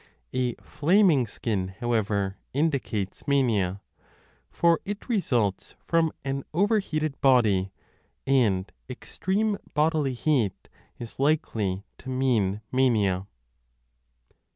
A flaming skin, however, indicates mania, for it results from an overheated body, and extreme bodily heat is likely to mean mania.